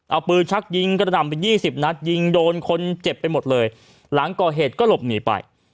เอาปืนชักยิงกระดำไปยี่สิบนัดยิงโดนคนเจ็บไปหมดเลยหลังก่อเหตุก็หลบหนีไป